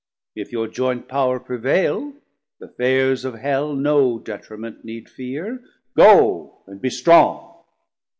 If your joynt power prevaile, th' affaires of Hell No detriment need feare, goe and be strong.